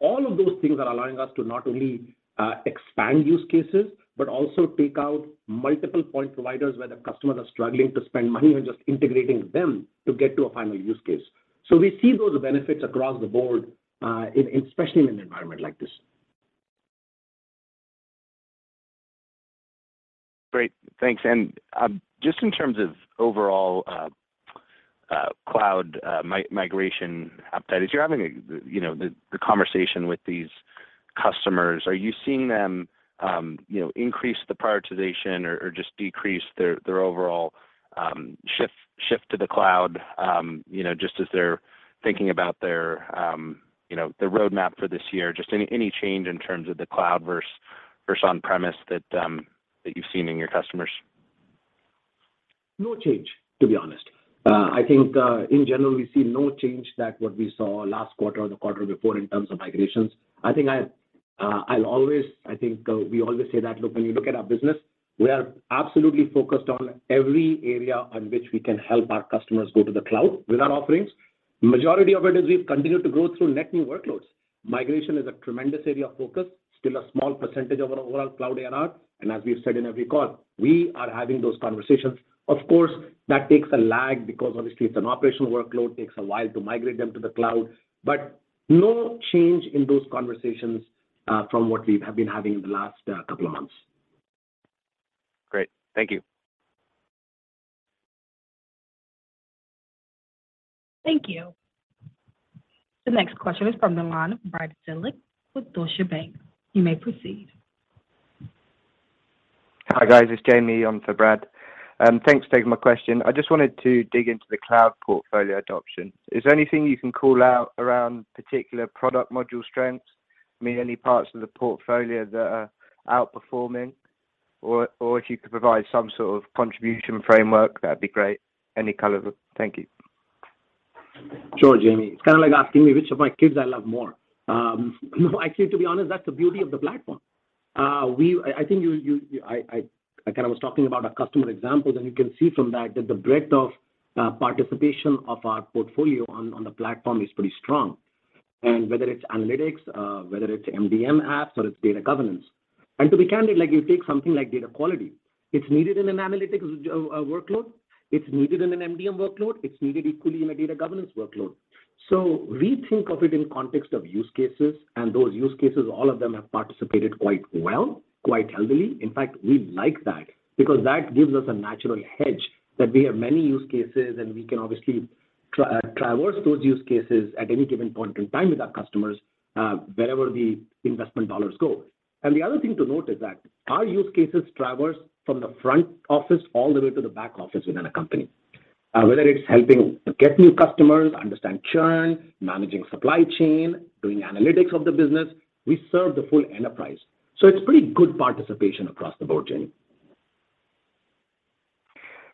All of those things are allowing us to not only expand use cases, but also take out multiple point providers where the customers are struggling to spend money on just integrating them to get to a final use case. We see those benefits across the board, especially in an environment like this. Great. Thanks. Just in terms of overall cloud migration appetite, as you're having you know the conversation with these customers, are you seeing them you know increase the prioritization or just decrease their overall shift to the cloud you know just as they're thinking about their you know the roadmap for this year? Just any change in terms of the cloud versus on-premise that you've seen in your customers? No change, to be honest. I think, in general, we see no change to what we saw last quarter or the quarter before in terms of migrations. I think we always say that, look, when you look at our business, we are absolutely focused on every area on which we can help our customers go to the cloud with our offerings. Majority of it is we've continued to grow through net new workloads. Migration is a tremendous area of focus, still a small percentage of our overall cloud ARR, and as we've said in every call, we are having those conversations. Of course, that takes a lag because obviously it's an operational workload, takes a while to migrate them to the cloud. No change in those conversations from what we've been having in the last couple of months. Great. Thank you. Thank you. The next question is from the line of Brad Zelnick with Deutsche Bank. You may proceed. Hi, guys. It's Jamie on for Brad. Thanks for taking my question. I just wanted to dig into the cloud portfolio adoption. Is there anything you can call out around particular product module strengths? Maybe any parts of the portfolio that are outperforming? Or if you could provide some sort of contribution framework, that'd be great. Any color. Thank you. Sure, Jamie. It's kind of like asking me which of my kids I love more. Actually, to be honest, that's the beauty of the platform. I think you kind of was talking about our customer examples, and you can see from that the breadth of participation of our portfolio on the platform is pretty strong. Whether it's analytics, whether it's MDM apps or it's data governance. To be candid, like you take something like data quality, it's needed in an analytics workload, it's needed in an MDM workload, it's needed equally in a data governance workload. We think of it in context of use cases, and those use cases, all of them have participated quite well, quite healthily. In fact, we like that because that gives us a natural hedge that we have many use cases, and we can obviously traverse those use cases at any given point in time with our customers, wherever the investment dollars go. The other thing to note is that our use cases traverse from the front office all the way to the back office within a company. Whether it's helping to get new customers, understand churn, managing supply chain, doing analytics of the business, we serve the full enterprise. It's pretty good participation across the board, Jamie.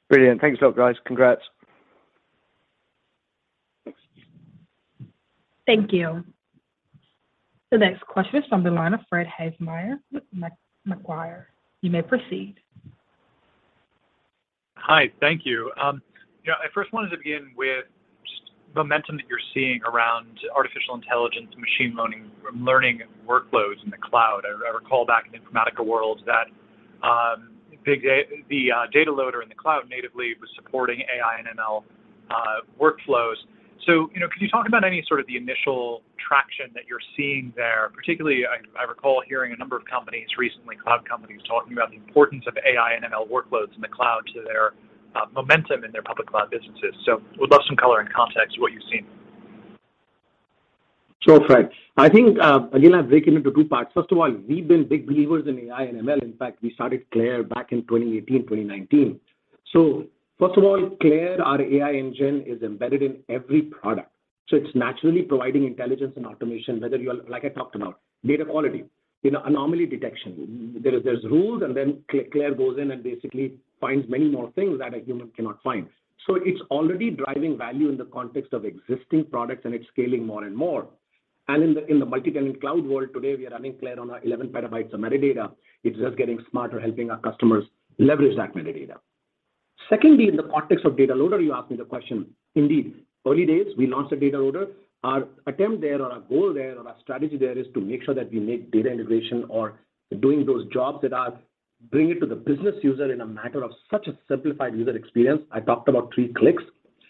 Brilliant. Thanks a lot, guys. Congrats. Thank you. The next question is from the line of Fred Havemeyer with Macquarie. You may proceed. Hi. Thank you. You know, I first wanted to begin with just momentum that you're seeing around artificial intelligence, machine learning workloads in the cloud. I recall back in Informatica World that the Data Loader in the cloud natively was supporting AI and ML workflows. You know, can you talk about any sort of the initial traction that you're seeing there? Particularly, I recall hearing a number of companies recently, cloud companies, talking about the importance of AI and ML workloads in the cloud to their momentum in their public cloud businesses. Would love some color and context to what you've seen. Sure, Fred. I think, again, I'll break it into two parts. First of all, we've been big believers in AI and ML. In fact, we started CLAIRE back in 2018, 2019. First of all, CLAIRE, our AI engine, is embedded in every product. It's naturally providing intelligence and automation, like I talked about, data quality, you know, anomaly detection. There, there's rules, and then CLAIRE goes in and basically finds many more things that a human cannot find. It's already driving value in the context of existing products, and it's scaling more and more. In the multi-tenant cloud world today, we are running CLAIRE on our 11 PB of metadata. It's just getting smarter, helping our customers leverage that metadata. Secondly, in the context of Data Loader, you asked me the question. Indeed, early days, we launched a Data Loader. Our strategy there is to make sure that we make data integration or doing those jobs that are bringing data to the business user in a manner of such a simplified user experience. I talked about three clicks,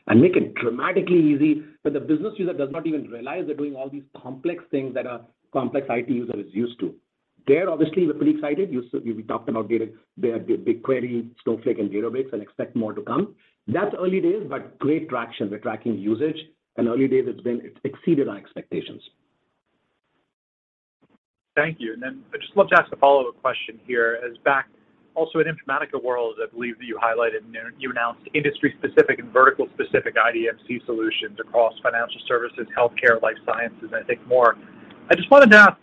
and make it dramatically easy that the business user does not even realize they're doing all these complex things that a complex IT user is used to. There, obviously, we're pretty excited. We talked about data to BigQuery, Snowflake, and Databricks and expect more to come. That's early days, but great traction. We're tracking usage, and early days, it's exceeded our expectations. Thank you. I'd just love to ask a follow-up question here. As we also back in Informatica World, I believe that you highlighted and you announced industry-specific and vertical-specific IDMC solutions across financial services, healthcare, life sciences, and I think more. I just wanted to ask,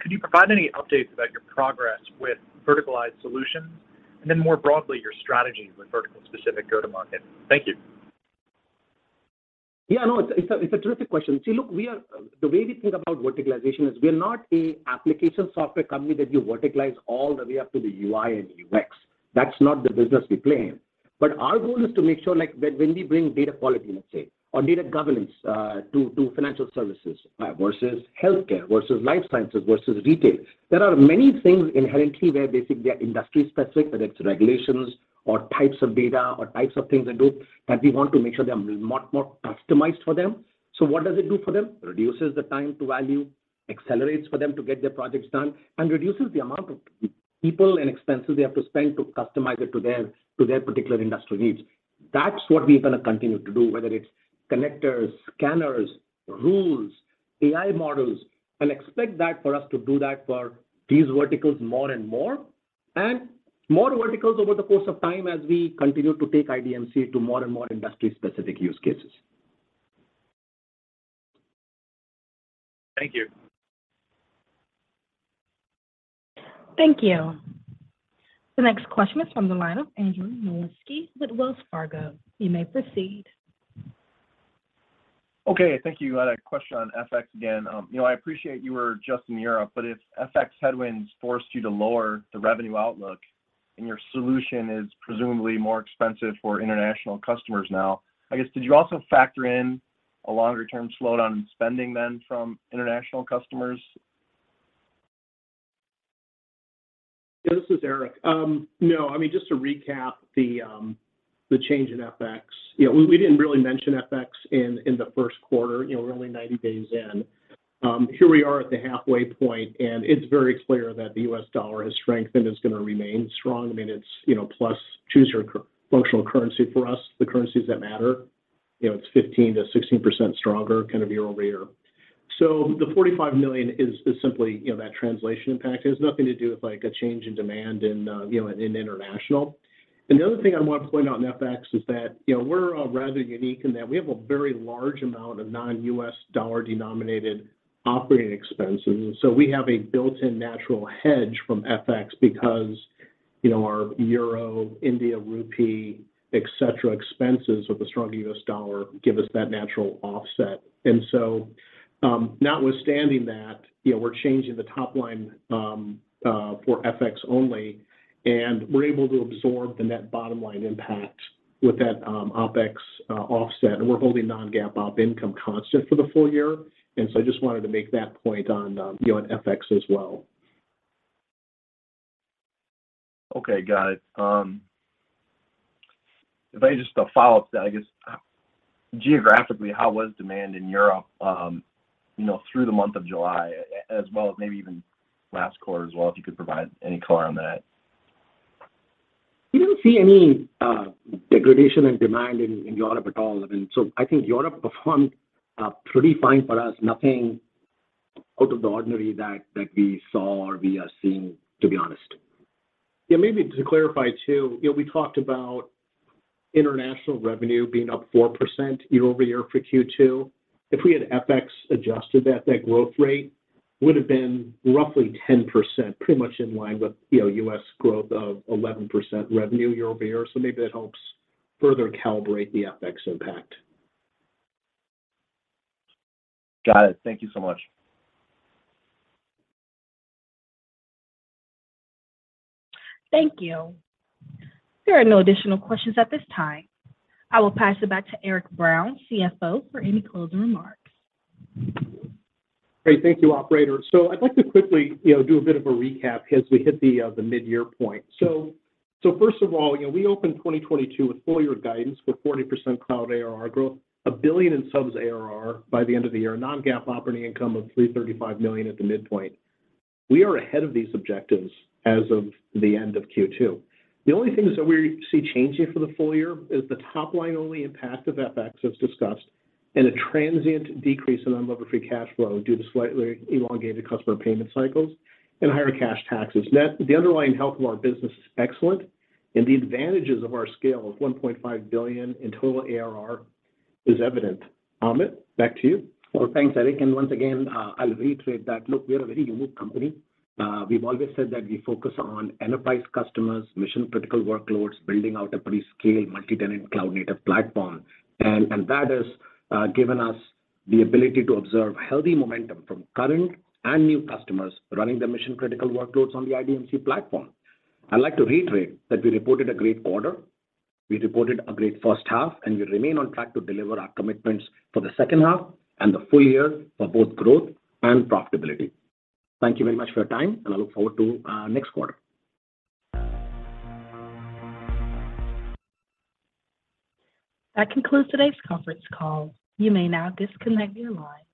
could you provide any updates about your progress with verticalized solutions? More broadly, your strategy with vertical-specific go-to-market. Thank you. Yeah, no, it's a terrific question. See, look. The way we think about verticalization is we are not an application software company that you verticalize all the way up to the UI and UX. That's not the business we play in. But our goal is to make sure, like, when we bring data quality, let's say, or data governance, to financial services versus healthcare, versus life sciences, versus retail, there are many things inherently where basically they're industry-specific, whether it's regulations or types of data or types of things they do, that we want to make sure they are much more customized for them. What does it do for them? Reduces the time to value, accelerates for them to get their projects done, and reduces the amount of people and expenses they have to spend to customize it to their particular industrial needs. That's what we're gonna continue to do, whether it's connectors, scanners, rules, AI models, and expect that for us to do that for these verticals more and more, and more verticals over the course of time as we continue to take IDMC to more and more industry-specific use cases. Thank you. Thank you. The next question is from the line of Andrew Nowinski with Wells Fargo. You may proceed. Okay. Thank you. I had a question on FX again. I appreciate you were just in Europe, but if FX headwinds forced you to lower the revenue outlook and your solution is presumably more expensive for international customers now, I guess, did you also factor in a longer-term slowdown in spending then from international customers? This is Eric. No. I mean, just to recap the change in FX, you know, we didn't really mention FX in the first quarter, you know, we're only 90 days in. Here we are at the halfway point, and it's very clear that the US dollar has strengthened, is gonna remain strong. I mean, it's, you know, plus choose your functional currency for us, the currencies that matter. You know, it's 15% to 16% stronger kind of year-over-year. The $45 million is simply, you know, that translation impact. It has nothing to do with, like, a change in demand in international. The other thing I want to point out in FX is that, you know, we're rather unique in that we have a very large amount of non-US dollar-denominated operating expenses. We have a built-in natural hedge from FX because, you know, our euro, Indian rupee, et cetera, expenses with a strong US dollar give us that natural offset. Notwithstanding that, you know, we're changing the top line for FX only, and we're able to absorb the net bottom line impact with that OpEx offset, and we're holding non-GAAP operating income constant for the full year. I just wanted to make that point on, you know, on FX as well. Okay. Got it. If I just have a follow-up to that, I guess, geographically, how was demand in Europe, you know, through the month of July as well as maybe even last quarter as well, if you could provide any color on that? We didn't see any degradation in demand in Europe at all. I mean, I think Europe performed pretty fine for us. Nothing out of the ordinary that we saw or we are seeing, to be honest. Yeah. Maybe to clarify too, you know, we talked about international revenue being up 4% year-over-year for second quarter. If we had FX adjusted that growth rate would have been roughly 10%, pretty much in line with, you know, US growth of 11% revenue year-over-year. Maybe that helps further calibrate the FX impact. Got it. Thank you so much. Thank you. There are no additional questions at this time. I will pass it back to Eric Brown, CFO, for any closing remarks. Great. Thank you, operator. I'd like to quickly, you know, do a bit of a recap as we hit the midyear point. First of all, you know, we opened 2022 with full year guidance for 40% cloud ARR growth, $1 billion in subs ARR by the end of the year, non-GAAP operating income of $335 million at the midpoint. We are ahead of these objectives as of the end of second quarter. The only things that we see changing for the full year is the top line only impact of FX as discussed and a transient decrease in unlevered free cash flow due to slightly elongated customer payment cycles and higher cash taxes. Net, the underlying health of our business is excellent, and the advantages of our scale of $1.5 billion in total ARR is evident. Amit, back to you. Well, thanks, Eric. Once again, I'll reiterate that, look, we are a very unique company. We've always said that we focus on enterprise customers, mission-critical workloads, building out a pretty scaled multi-tenant cloud-native platform. That has given us the ability to observe healthy momentum from current and new customers running their mission-critical workloads on the IDMC platform. I'd like to reiterate that we reported a great quarter, we reported a great first half, and we remain on track to deliver our commitments for the second half and the full year for both growth and profitability. Thank you very much for your time, and I look forward to next quarter. That concludes today's conference call. You may now disconnect your line.